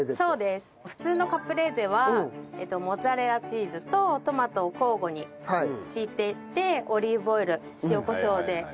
普通のカプレーゼはモッツァレラチーズとトマトを交互に敷いていってオリーブオイル塩コショウで味付けして食べるものなんですが